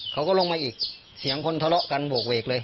เขาก็ลงมาอีกเสียงคนทะเลาะกันโบกเวกเลย